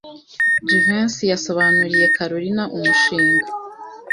Jivency yasobanuriye Kalorina umushinga.